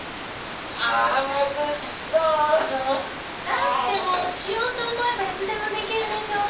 だってもうしようと思えばいつでもできるでしょう？